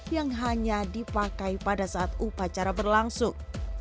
yang hanya dipakai pada saat upacara berlangsung